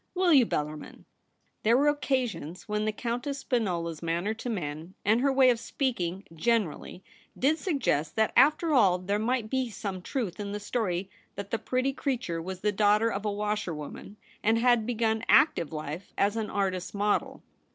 Will you, Bel larmin ?' There were occasions when the Countess Spinola's manner to men, and her way of speaking generally, did suggest that after all there might be some truth in the story that the pretty creature was the daughter of a washerwoman, and had begun active life as an artist's model.